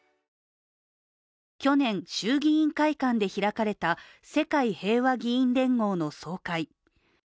去年、衆議院会館で開かれた世界平和議員連合の総会。